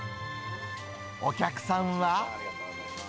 お客さんは。